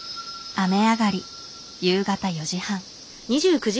雨上がり夕方４時半。